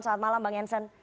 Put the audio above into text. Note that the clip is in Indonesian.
selamat malam bang yansen